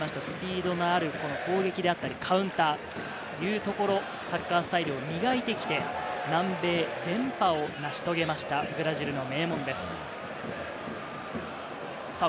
スピードのある攻撃であったりカウンターというところ、サッカースタイルを磨いてきて、南米連覇を成し遂げました、ブラジルの名門です。